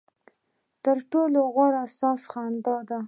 ترټولو غوره ساز خندا ده.